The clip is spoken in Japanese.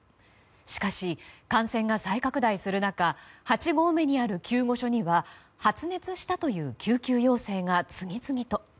しかし、感染が再拡大する中八合目にある救護所には発熱したという救急要請が次々と。